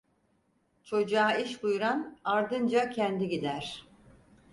Çocuğa iş buyuran, ardınca kendi gider.